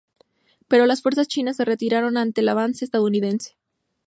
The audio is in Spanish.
Pero las fuerzas Chinas se retiraron ante el avance estadounidense.